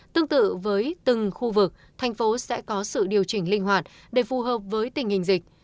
tương tự với từng khu vực thành phố sẽ có sự điều chỉnh linh hoạt để phù hợp với tình hình dịch